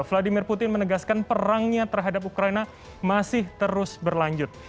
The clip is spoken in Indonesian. vladimir putin menegaskan perangnya terhadap ukraina masih terus berlanjut